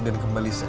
dan kembali sehat